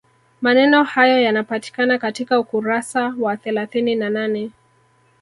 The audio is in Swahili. Maneno hayo yanapatikana katika ukurasa wa thelathini na nane